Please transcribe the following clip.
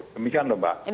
demikian lho mbak